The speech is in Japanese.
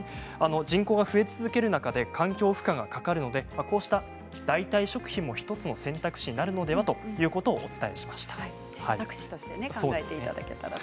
人口が増え続ける中で環境負荷がかかるのでこうした代替食品も１つの選択肢になるのではということをお伝えしました。